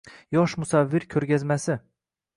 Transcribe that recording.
Yosh musavvir ko‘rgazmasi